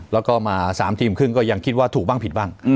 แล้วก็มา๓ทีมครึ่งก็ยังคิดว่าถูกบ้างผิดบ้าง